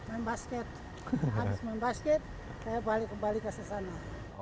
abis main basket saya kembali ke sasana